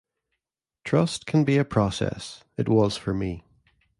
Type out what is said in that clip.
Trust can be a process. It was for me.